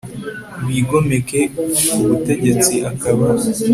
bigomeke b ku butegetsi akaba